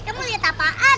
kamu liat apaan